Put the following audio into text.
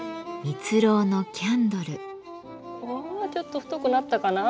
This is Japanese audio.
わあちょっと太くなったかな。